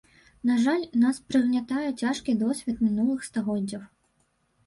На жаль, нас прыгнятае цяжкі досвед мінулых стагоддзяў.